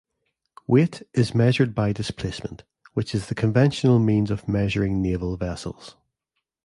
Weight is measured by displacement, which is the conventional means of measuring naval vessels.